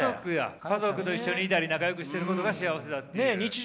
家族と一緒にいたり仲よくしてることが幸せだっていう。